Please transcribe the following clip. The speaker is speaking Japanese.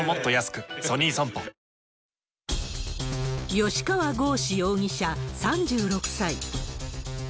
吉川剛司容疑者３６歳。